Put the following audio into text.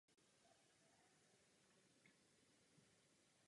V šestnácti letech mu zemřel otec.